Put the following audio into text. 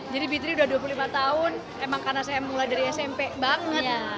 jadi b tiga udah dua puluh lima tahun emang karena saya mulai dari smp banget